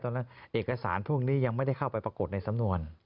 นั้นเอกสารพวกนี้ยังไม่ได้เข้าไปปรากฏในสำนวน